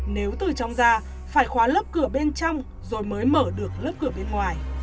nếu từ trong ra phải khóa lớp cửa bên trong rồi mới mở được lớp cửa bên ngoài